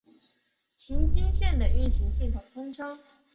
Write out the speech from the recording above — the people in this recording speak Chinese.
崎京线的运行系统通称。